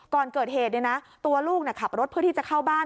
ก่อนเกิดเหตุตัวลูกขับรถเพื่อที่จะเข้าบ้าน